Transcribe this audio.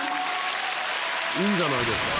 いいんじゃないですか？